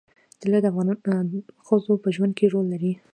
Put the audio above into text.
طلا د افغان ښځو په ژوند کې رول لري.